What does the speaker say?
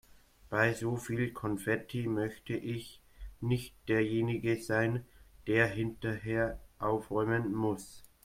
Bei so viel Konfetti möchte ich nicht derjenige sein, der hinterher aufräumen muss.